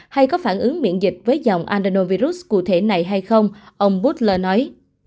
hay có phản ứng miễn dịch với dòng andenovirus cụ thể này hay không ông boodler nói